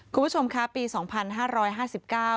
คุณผู้ชมคะปีสองพันห้าร้อยห้าสิบเก้า